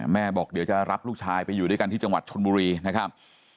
บอกเดี๋ยวจะรับลูกชายไปอยู่ด้วยกันที่จังหวัดชนบุรีนะครับ